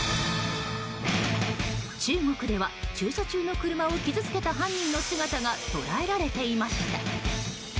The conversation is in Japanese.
中国では駐車中の車を傷つけた犯人の姿が捉えられていました。